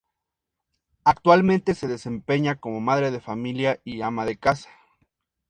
Actualmente se desempeña como madre de familia y ama de casa.